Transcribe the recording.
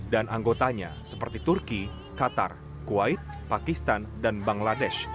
dan anggotanya seperti turki qatar kuwait pakistan dan bangladesh